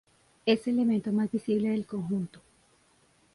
Es elemento más visible del conjunto.